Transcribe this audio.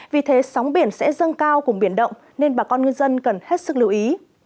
vì thế sóng biển sẽ dâng cao cùng biển động nên bà con ngư dân cần hết sức lưu ý